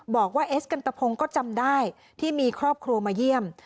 บอกว่าเอสกันตะพงก็จำได้ที่มีครอบครัวมาเยี่ยม